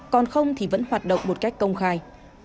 còn không thì vẫn hoạt động một cách công khai